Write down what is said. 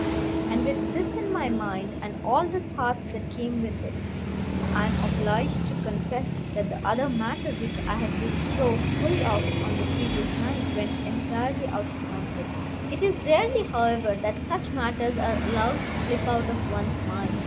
And with this in my mind, and all the thoughts that came with it, I am obliged to confess that the other matter, which I had been so full of on the previous night, went entirely out of my head. It is rarely, however, that such matters are allowed to slip out of one's mind.